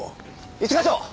一課長！